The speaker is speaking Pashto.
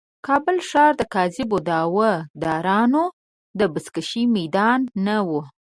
کابل ښار د کاذبو دعوه دارانو د بزکشې میدان نه و.